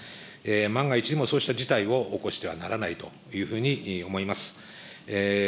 万が一にもそうした事態を起こしてはならないというふうに思います。